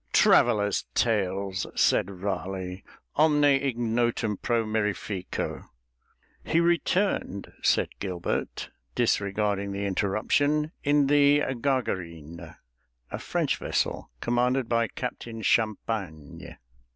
"Travellers' tales," said Raleigh. "Omne ignotum pro mirifico." "He returned," said Gilbert, disregarding the interruption, "in the Gargarine, a French vessel commanded by Captain Champagne."